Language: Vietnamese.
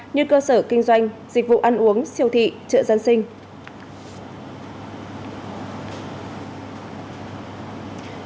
như cơ sở kinh doanh dịch vụ ăn uống siêu thị chợ dân sinh